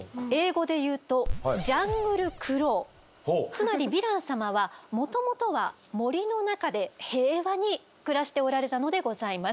つまりヴィラン様はもともとは森の中で平和に暮らしておられたのでございます。